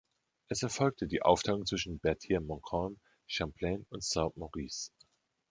Es erfolgte die Aufteilung zwischen Berthier-Montcalm, Champlain und Saint-Maurice.